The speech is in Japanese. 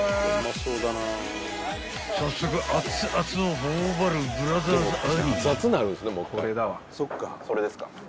［早速熱々を頬張るブラザーズ兄］